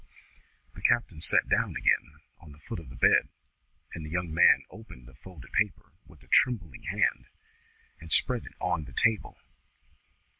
The captain sat down again on the foot of the bed, and the young man opened the folded paper with a trembling hand, and spread it on the table.